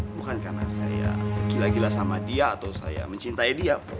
bukan karena saya gila gila sama dia atau saya mencintai dia